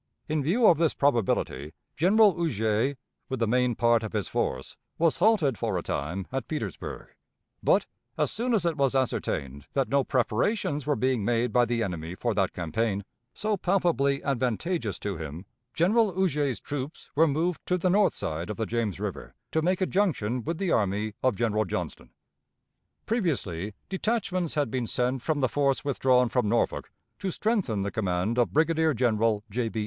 In view of this probability, General Huger, with the main part of his force, was halted for a time at Petersburg, but, as soon as it was ascertained that no preparations were being made by the enemy for that campaign, so palpably advantageous to him, General Huger's troops were moved to the north side of the James River to make a junction with the army of General Johnston. Previously, detachments had been sent from the force withdrawn from Norfolk to strengthen the command of Brigadier General J. B.